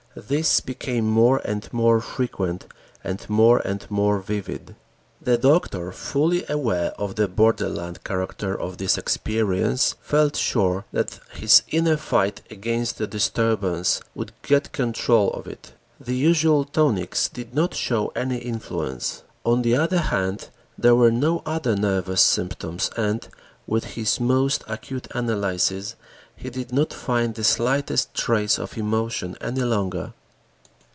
This became more and more frequent and more and more vivid. The doctor, fully aware of the borderland character of this experience, felt sure that his inner fight against the disturbance would get control of it. The usual tonics did not show any influence. On the other hand, there were no other nervous symptoms and, with his most acute analysis, he did not find the slightest trace of emotion any longer.